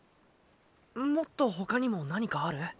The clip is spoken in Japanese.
もっとほかにも何かある？